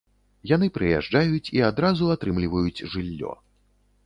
Яны прыязджаюць і адразу атрымліваюць жыллё.